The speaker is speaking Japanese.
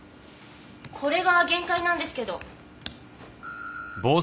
これが限界なんですけど。